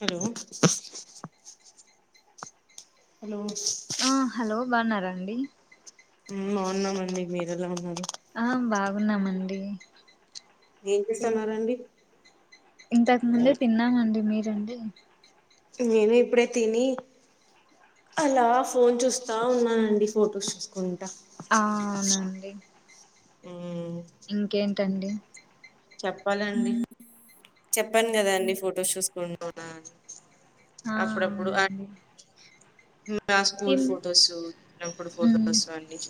Hello hello బన్నారాండి అవున్నానండి మీరెలా ఉన్నారు ఆ బాగున్నామండి ఏం చేస్తున్నారండి ఇంతకు ముందే తిన్నామండి మీరు ఇడి నేను ఇప్పుడే తిని అలా ఫోన్ చూస్తా ఉన్నానండి ఫొటోస్ చూసుకుం ఆ అవునండి మ్మ్ ఇంకేంటండి చెప్పాలండి చెప్పాను కదా అండి ఫొటోస్ చూసుకుంటా ఆ అప్పుడప్పుడు అవునండి ఇ స్కూల్ ఏం ఫొటోస్ చిన్నప్పుడు ఉమ్ ఫొటోస్ అన్ని చ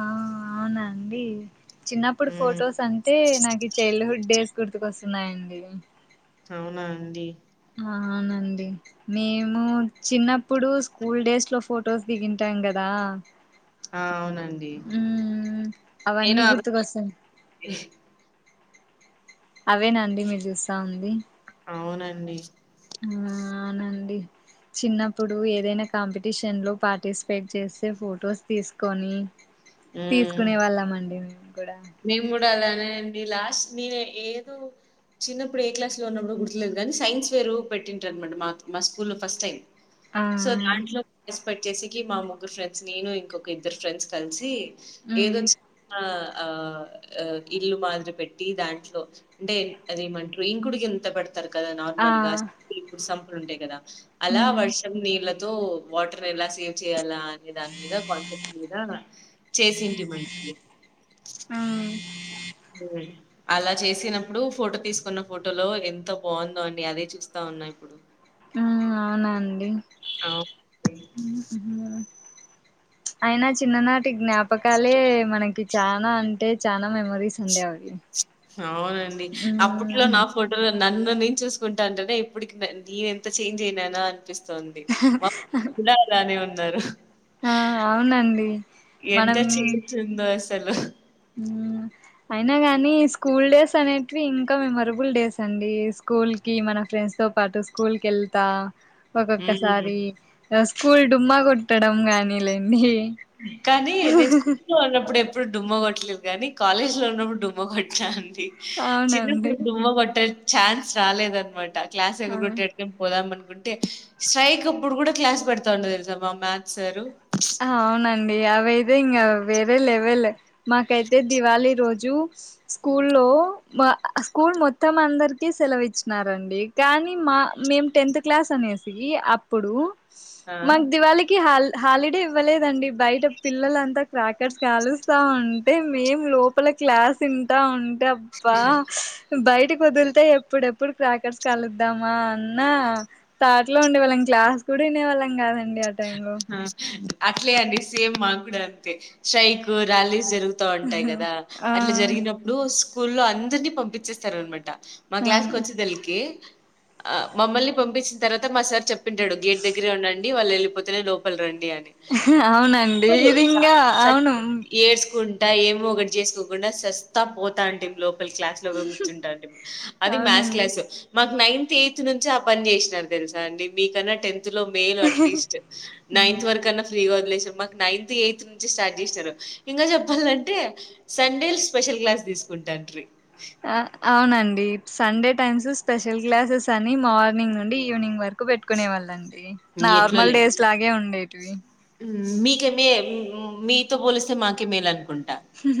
ఆ అవునండి చిన్నప్పుడు మ్మ్ ఫొటోస్ అంటే నాకు చైల్డ్ హుడ్ డేస్ గుర్తుకొస్తున్నాయండి అవునా అండి అవునండి మేము చిన్నప్పుడు స్కూల్ డేస్ లో ఫొటోస్ దిగింటాం కదా ఆ అవునండి ఉ నేను అవన్నీ అవి గుర్తుకొస్తాం అవేనండి మీరు చూస్తా ఉంది అవునండి ఆ అవునండి చిన్నప్పుడు ఏదైనా కాంపిటీషన్ లో పార్టిసిపేట్ చేస్తే ఫొటోస్ తీసుకొని మ్మ్ తీసుకునే వాళ్ళం అండి మేము కూడా మేము కూడా అలా అనేండి లాస్ట్ నేను ఏదో చిన్నప్పుడు ఏ క్లాస్ లో ఉన్నప్పుడు గుర్తులేదు కానీ సైన్స్ వేరు పెట్టింటారునమాట మా మా స్కూల్లో ఫస్ట్ టైం ఆ సో దాంట్లో పట్ట్ట చేేసికి మా ముగ్గురు ఫ్రెండ్స్ నేను ఇంకొక ఇద్దరు ఫ్రెండ్స్ కలిసి ఉమ్ ఏదచ్చ ఆ ఆ ఇల్లు మాదిరి పెట్టి దాంట్లో అంటే అదేమంటారు ఇంకుడుకి ఎంత పెడుతు తర్క ఆ నార్మల్ గా సంప ఉండే కదా అలా ఉమ్ వర్షం నీళ్ళదు వాటర్ ఎలా సేవ్ చేయాల అనే దాని మీద కాంటాక్ట్ మీద చేసింటి మనకి ఆ అలా చేసినప్పుడు ఫోటో తీసుకున్న ఫోటోలో ఎంత బాగుందో అని అదే చూస్తా ఉన్నా ఇప్పుడు ఆ అవునండి అవునండి. ఉహుం. అయినా చిన్ననాటి జ్ఞాపకాలే మనకి చాలనా అంటే చనా మెమరీస్ ఉండే అవి అవునండి అప్పట్లో ఉమ్ నా ఫోటో నన్ను నేను చూసుకుంటా అంటనే ఎ ఇప్పకకి నేను ఎంత చేంజ్ అయినా అనిపిస్తను ది మాలాని ఉ అ ఆ అవునండి మనం తెలో అయినా గాని స్కూల్ డేస్ అనేటివి ఇంకా మెమరబుల్ డేస్ అండి స్కూల్ కి మన ఫ్రెండ్స్ తో పాటు స్కూల్ కి వెళ్తా హ్మ్. ఒక్కొక్కసారి స్కూల్ డుమ్మా కొట్టడం గానీ లేండి కానీ నేను స్కూలో ఉన్నప్పుడు అప్పుడే ఇప్పుడు డుమ్మ కొట్టలేదు కానీ కాలేజ్ లో ఉన్నప్పుడు డుమ్మ కొట్టాలను చిన్న అవునండి మ్మ బట్టర్ న్స్ రాలేద అనమాట క్లాస్ ఆ ఎగారగొట్టి అట్నీ పోదమ అంటే స్ట్రైక్ అప్పుడు కూడా క్లాస్ పెడతా ఉండదు తెలుసామ్మా మ్యాథ్ సారు అవునా అండి అద ఇం వేరే లెవెల్ మాకైతే దివాళి రోజు ర స్కూ లో స్కూల్ మొత్తం అందరిక సెలవు ఇచ్చినారండి కానీ మా మేము టెన్త్ క్లాస్ అనేసి అప్పుడు ఆ! మగ దివాళికి హల్ హాలిడే ఇవ్వలేదండి బయట పిల్లలంతా క్రాకెట్స్ కలుస్తా ఉంటే మేం లోపల క్లాస్ తంటా ఉంట అబ్బా బయట వదులితే ఎప్పుడెప్పుడు క్రాకర్స్ కలుద్దామా అన్నా తాటలో ఉండేవాళ్ళం క్లాస్ కూడా వినేవాళ్ళం కాదండి ఆ టైం లో ఆ అట్లే అండి సేమ్ మాకుడు అంతే షైక్ ర్యాలీస్ జరుగు ఉంటాయి కదా అట్లా ఆ జరిగినప్పుడు స్కూ లో అందరినీ పంపించేస్తారు అనమాట మా ఆ క్లాస్ క వచ్చిదిలికి ఆ మమ్మల్ని పంపించిన తర్వాత మా సార్ చెప్పింటాడు గేట్ దగ్గరే ఉండండి వాళ్ళు వెళ్ళి పోతునే లోపల రండి డి అని అవునండి ఇది ఇంగా అవును ఏడుస్కున్ టా ఏమో ఒకటి చేసుకోకుండా శస్తా పోతాంటిమి లో క్లాస్ లోగా కూర్చుంటారండి అది మ్యాథ్ అవునండి క్లాస్ మాకు నైన్త్ ఎయిత్ నుంచి ఆ పని చేసినారు తెలుసా అండి మీకన్నా టెన్త్ లో మేయిలు అట్లీస్ట్ నైన్త్ వరకు అన్నా ఫ్రీగా వదిలేశారు మాకు నైన్త్ ఎయిత్ నుంచి స్టార్ట్ చేశారు ఇంకా చెప్పాలంటే సండే స్పెషల్ క్లాస్ తీసుకుంటాట్రి ఆ అవునండి సండే టైమ్స్ స్పెషల్ క్లాసెస్ అని మార్నింగ్ నుండి ఈవినింగ్ వరకు పెట్టుకునే వాళ్ళం.. డి నార్మల్ డేస్ లాగే ఉండేటివి ఉమ్ మీకే మే-మీతో పోలిస్తే మాకే మేలు అనుకొం ట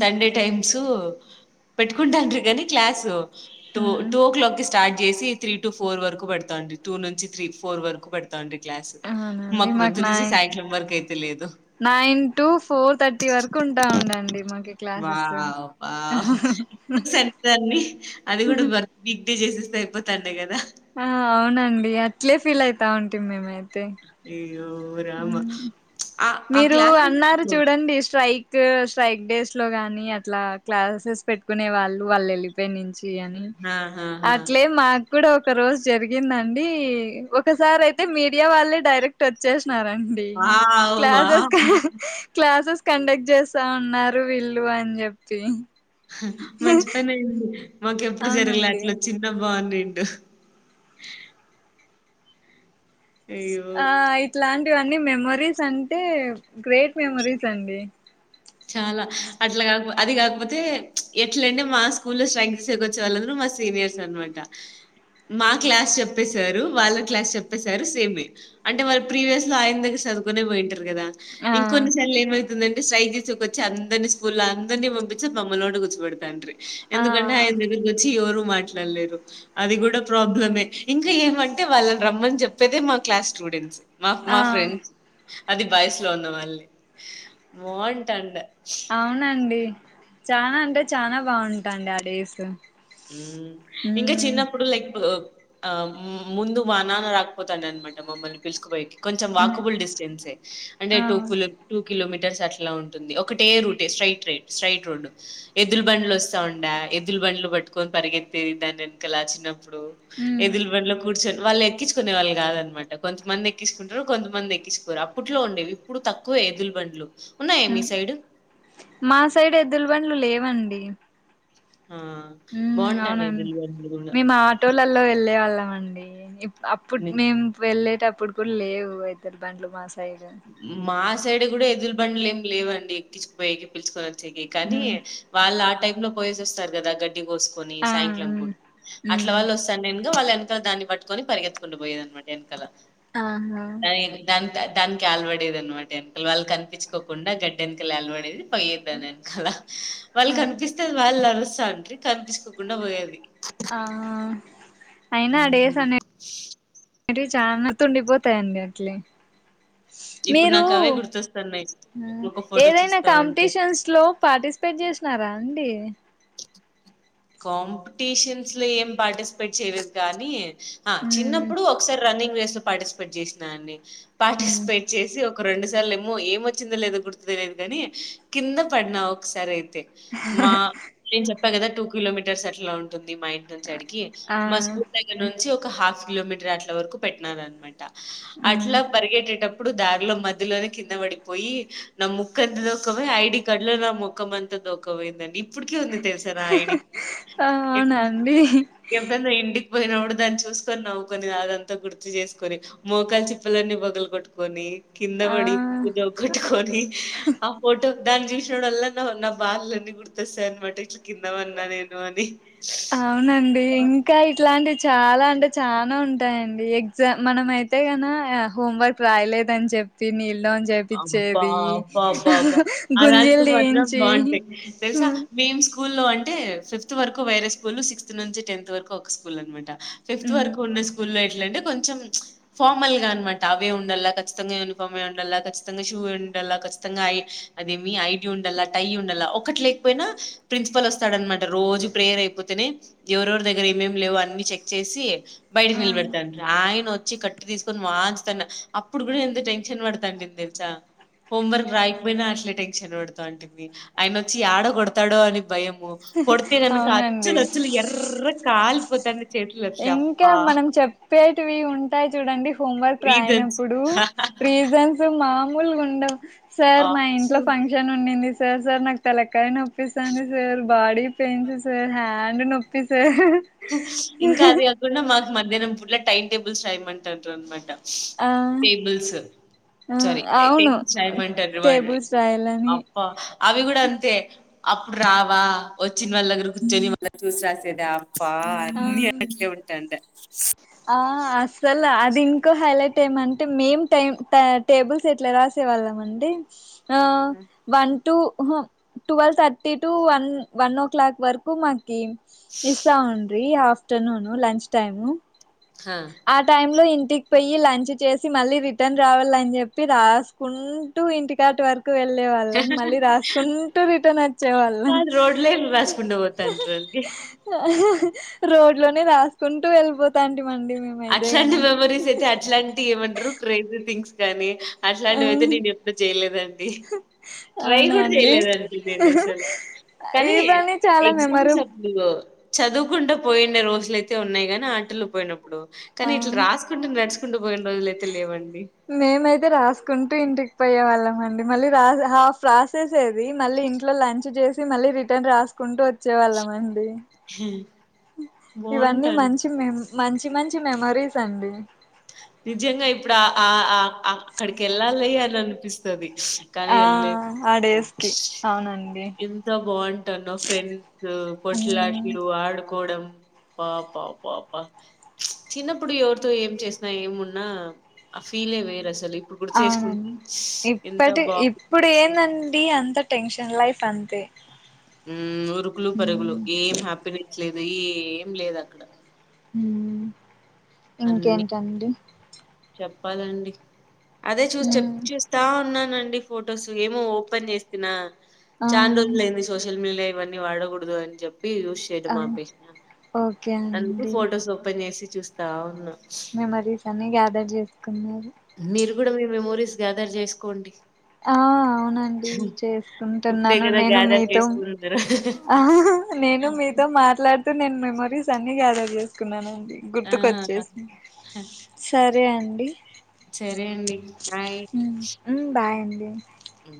సండే టైమ్ స్ పెట్టుకుంటాం ట్రీ కానీ క్లాసు టు హ్మ్ టు ఓ క్లాక్ కి సి స్టార్ట్ చేసి త్రీ టు ఫోర్ వరకు పెడతాండి టూ నుంచి త్రీ ఫోర్ వరకు పెడతా తాండి క్లాస్ అవునండి మాకు పొద్దు నై నుంచి సాయకాలం వరకు అయితే లేదు నైన్ టు ఫోర్ థర్టీ వరకు ఉంటా ఉండండి మాకి క్లాసెస్ వావ్ వావ్ సత్యాన్ని అది కూడా బర్బీ చేసెస్త అయిపోతాటాయి కదా ఆ అవునండి అట్లే ఫీల్ యితు తా టిమి మేమే తే అయ్యో రామ ఆ ఆ మీరు క్లాసెస్ అన్నారు చూడండి స్ట్రైక్ స్ట్రైక్ డేస్ లో గాని అట్లా క్లాసెస్ పెట్టుకునే వాళ్ళు వాళ్ళు వెళ్ళిపోయి నుంచి యని ఆహాహా అట్లే మాక్ కూడా ఒక రోజు జరిగిందండి ఒకసారి అయితే మీడియా వాళ్ళే డైరెక్ట్ వచ్చే న్నారండి వావ్ క్లాస్సేస్ కి వావ్ క్లాసెస్ కండక్ట్ చేస్తా ఉన్నారు వీళ్ళు అని చెప్పి ఊ ఆ మంచి పని అయింది మాకు ఎప్పుడు జరగలే అవునండి అట్లా వచ్చిన బాగుండేట్ డు ఆ ఇట్లా వన్నీ మెమరీస్ అంటే గ్రేట్ మెమరీస్ అండి చాలా అట్లా కాకపో అది కాకపోతే ఎట్లంటే మా స్కూల్ లో స్ట్రైక్ చేసేక వచ్చే వాళ్ళందరూ మా సీనియర్స్ అనమాట మా క్లాస్ చెప్పసారు వాళ్ళ క్లాస్ చెప్పసారు సేమే అంటే వాళ్ళ ప్రీవియస్ లో ఆయన దగ్గర చదువుకుొనే పోయింటారు కదా ఆ ఇంకొన్నిసార్లు ఏమై సైజు కొచ్చి అందరిని స్కూల్ అందరిని పంపిించి బమ్మల్లోండి కూర్చుెతానుీ ఆ ఎందుకంటే అయన దగ్గరకు వచ్చి ఎ మాట్లాడలేరు అది కూడా ప్రాబ్లమే ఇంకా ఏమంటే వాళ్ళని రమ్మని చెప్పేదే మా క్లాస్ స్టూడెంట్స్ మా ఆ మా ఫ్రెండ్స్ అది వయసులో ఉన్నా మళ్ళీ వా డి అవునండి చనా అంటే చనా బాగుంటాండి ఆ డేస్ ఉమ్ ఇంకా మ్మ్ చిన్నప్పుడు లైక్ ఆ ము ముందు మా నాన్న రాకపోతండ్య అన్మాట మమ్మల్ని పిలసుకుపోయేకి కొంచెం మ్మ్ వాకుబుల్ డిస్టెన్సే అంటే ఆ టూపులే టుప్ కిలోమీటర్స్ అట్లా ఉంటుంది ఒకటే route straight route straight route ఎద్దుల బండ్లు వస్తా ఉండడా ఎద్దు బండ్లు పట్టు పరిగెత్తందా నెన కా చిన్నప్ప ఇప్పుడు మ్మ్ ఎదులు బండ్లో కూర్చ వాళ్ళు ఎక్కించుకునే వాళ్ళు కాదనమాట కొంతమంది ఎక్కించుకుంటారు కొంతమంది ఎక్కించుకోరు అప్పట్లో ఉండేవి ఇప్పుడు తక్కువ ఎదులు బండ్లు ఉన్నాయా మీ ఉమ్ సైడు? మా సైడ్ ఎద్దుల బండ్లు లే వండి ఆ! ఉ అవును బావుంటాండే ఎద్దుల బండ్లు గూడా. మేము ఆటోలలో వెళ్ళే వాళ్ళం అన్ ఇప్పు అప్పుడు మీ మేము వెళ్ళేటప్పు ఇప్పుడు కూడా లేవు ఇతరు బండ్లు మా సైడ్ మా సైడు కూడా ఎదు ఇ బండ్లు ఏమి లేవండి ఎక్కించుపోయేకి పిలుచుకొని కానీ మ్మ్ వాళ్ళ ఆ టైప్ లో పో వస్తారు కదా గడ్ కోసుకొని ఆ సాయంక్లం మ్మ్ పుట్లా అట్ల మ్మ్ వళ్ళ వస్తాను నేను వాళ్ళ వెనక దాన్ని పట్టుొని పగెతుకుం పోయ అమాట వెనకాల ఆహా గట్టానికి అలవడేది అనమాట వెనకలు వాళ్ళు కనిపించుకోకుండా గడ్డ వెనకలు అలవడేది పోయేదని అనుకాల వాళ్ళు హా కనిపిస్తేది వాళ్ళు తండ్రి కనిపించకోకుండా పోయేది ఆహ హ మీరి చాలా త ఉండిపోతాయండి అట్లే ఇప్పుడు మీరు నాకు అవే గుర్తొస్తున్నాయి ఉమ్ ఒక ఫోటో ఏదైనా చూస్తా ఉంటే కాంపిటీషన్స్ లో పార్టిసిపేట్ చేసినారా అండి కంపిటిషన్స్ లో ఏం పార్టిసిపేట్ చేయలేదు కానీ హ మ్మ్ చిన్నప్పుడు ఒకసారి రన్నింగ్ వస్త పార్టిసిపేట్ చేసినాండి మ్మ్ పార్టిసిపేట్ చేసి ఒక ఒక రెండు సార్లు ఏమో ఏంచ్చిందో లేదో గుర్తు తెయదుగాని కింద పడినా ఒకసారి అయి మా చె పగ టూకు కిలోమీటర్స్ అట్లా ఉంటుంది మా ఇంటి నుంచి అడికి ఆ మా స్కూల్ దగ్గర నుంచి ఒక హాఫ్ కిలోమీటర్ అట్ల వరకు పెట్టినార అనమాట అట్ల మ్మ్ బర్గెట్టప్ప ఇప్పుడు దారిలో మధ్యలోనే కింద పడిపోయి నా ముక్క అంత దూమ ఐడి కార్డు లో నా ముఖం అంతా దూఖమైందండి ఇప్పటికే ఉంది తెలుసారా ఆ ఐడి ఆనండి విడికిపోయినప్పుడు దాన్ని చూసుకొని నవ్వుకొని అదంతా గుర్తు చేసుకొని మోకాలు చిప్పలన్నీ పొగలు కొట్టుకొని కింద ఆ పడి పూజ ఒ ఒకట్టుకోని ఆ ఫోటో దాని చూసినడం వల్ల నా నా బాలులన్నీ గుర్తొస్తాయి అనమాట ఇట్లా కంద మన్నది అవునండి ఇంకా ఇట్లా అండి చాలా అంటే చాలనా ఉంటాయండి ఎగ్జామ్ మనం అయితే కన హోంవర్క్ రాయలేదని చెప్పి నీళ అబ్బా అబ్బా అబ్బా అబ్బా అలాంటి గుంజీలు మాత్రం తీయించి బాగుంటాయి తెలుసా మ్మ్ మేం స్కూల్లో అంటే అంటే ఫిఫ్త్ వరకు వైరస్ స్కూల్ సిక్స్త్ నుంచి టెన్త్ వరకు ఒక స్కూల్ అనమాట ఫిఫ్త్ మ్మ్ వరకు ఉన్న స్కూల్ల్లో ఎట్లాలంటే కొంచెం ఫార్మల్ గా అనమాట అవే ఉండాల ఖచ్చితంగా యూనిఫామే ఉండాల చ్చి ఖచ్చితంగా షూ ఉండాల ఖచ్చితంగా అదేమి ఐటీ ఉండాల టై ఉండాల ఒకక్కటి లేకపోయినా ప్రిన్సిపల్ వస్తాడనమాట రోజు ప్రేయర్ అయిపోతేనే ఎవరెవరి దగ్గర ఏమేమి లేవు అని చెక్ చేసి బయట ఆ మీ నిల్ బర్తాంతా ఆయ వచ్చి కట్టి తీసుకొని మంచుతాను అప్పుడు కూడా ఎంత టెన్షన్ పడతాండి తె హోంవర్క్ రాయకపోయినా అట్లే టెన్షన్ పడతా అంటుంది ఆయన వచ్చి ఆడో కొడతాడో అని భయం కొడుతే క అవునండి అచ్చల్ అచ్చలు ఎర్ర కాాల కొ ఇంకా మనం చెప్పేటివి ఉంటాయి చూడండి హోంవర్క్ రీజన్స్ రాయనప్పుడు రీజన్స్ మా ముల్గుండ సార్ మా ఇంట్లో ఫంక్షన్ ఉండింది సార్ సార్ నాకు తలకై నో పిస్తాంది sir body pains sir hand నొప్పి సార్ స ఇంకా అది కాకుండా మాకు మధ్యాహ్నం పూట టైమ్ టేబుల్స్ రాయమంటారు అన్నమాట ఆ టేబుల్స్ ఆ సారీ అవును టేబుల్స్ రాయమంటారు టేబుల్స్ [inaudible] రాయాలని అప్ప అవి కూడా అంతే అప్పుడు రావా, వచ్చిన వాళ్ళ దగ్గర కూర్చొని వాళ్ళ చూసి రాసేదా బ ఆ అన్ని అట్లే ఉంటాండ అ ఆ అస్సలు అది ఇంకో హైలైట్ ఏమంటే మేం టైం టేబుల్స్ ఎట్లా రాసే వాళ్ళం అంటె ఆ one to twelve thirty to one one o'clock వరకు మా ఉమ్ ఇస్సాంమండ్రి ఆ ఆఫ్టర్నూన్ను లంచ్ టైము హా ఆ టై లో ఇన్ టికి పోయి లంచ్ చేసి మళ్ళీ రిటర్న్ రావాలని చెప్పి రాసుకుంటూ ఇంటికాటు వర్ వెళ్ళే వాళ్ళం మళ్ళీ రాసుకుంటూ రిటర్న్ వచ్చేవాళ్ళం వాళ్ళు రోడ్లే రాసుకుంట పోతాంటారు అండి రోడ్ లోనే రాసుకుంటూ వెళ్ళిపోతాంటి అట్లాంటి మెమరీస్ అయితే అట్లాంటివి ఏమంటారు క్రేజీ థింగ్స్ కానీ అట్లాంటివి అయితే నేను ఎప్పుడు చేయలేదండి. ట్రై అవునా కూడా అండి చేయలేదండి నేను అసలు ఈ కానీ, పని చాలా మెమరు ఎగ్జామ్స్ అప్పుడు చదువుకుండా పోయినా రోజులుయితే ఉన్నాయి గానీ, ఆటలు పోయినప్పుడు ఇప్పుడు ఆ కానీ ఇట్లా రాసుకుంటే నడుస్ కుంటు పోయిన రోజులైతే లేవండి. మేమైతే రాసుకుంటూ ఇంటికి పోయే వాళ్ళం అండి. మళ్ళీ రాస్ ఆ ప్రాసెస్ ఏది మళ్ళీ ఇంట్లో లంచ్ చేసి మళ్ళీ రిటర్న్ రాసుకుంటూ వచ్చేవాళ్ళమండి. ఇవన్నీ బావుంటాను. మంచి మేం మంచి మంచి మెమరీస్ అండి నిజంగా ఇప్పుడు ఆ అక్కడికి వెళ్ళాలి అని అనిపిస్తుది ఆ ఆ డేస్ కి అవునండి ఎంత బాగుంటాను ఫ్రెండ్స్ ఉమ్ కొట్లాట్లు ఆడుకోవడం పా పా పా పా చిన్నప్పుడు ఎవరితో ఏం చేసినా ఏమున్నా ఆ ఫీలే వేరు అసలు ఇప్పుడు గుర్తు చేసుకుంటే అవునండి ఎంత ఇప్పటి బాగుంది ఇప్పుడు ఏందండి అంత టెన్షన్ న్లై అంత ఉ పరుకులు పరుగులు ఏం హ్యాపీనెస్ లేదు అ ఏం లేదు అక్కడ హ అన్ని ఇంకేంటండి చెప్పాలండి అదే చూ చె ఉమ్ చూస్తా ఉన్నానం డి ఫొటోస్ ఏమో ఓపెన్ చేసిన ఆ చాన రోజ లేంది సోషల్ మీడియా ఇవన్నీ వాడకూడదు అని చెప్ప యూస్ చేయడ ఆ ఓకే అందుకు అండి ఫోటోస్ ఓపెన్ చేసి చూస్తావును మెమరీస్ అన్ని గ్యాదర్ చేస్త కది మీరు కూడా మీ మెమోరీస్ గ్యాదర్ చేసుకోండి ఆ అవునండి ఇప్పుడే చేసుకుంటున్నాను కదా నేను గ్యాదర్ మీతో చేసుకుందరు ఆ నేను మీతో మాట్లాడుతూ నను మెమోరీస్ అన్ని గ్యాదర్ చేసుకున్నానండి ఆ గుర్తుకొచ్చేసి సరే అండి అం సరే అండి నాయ్ ఉమ్ అ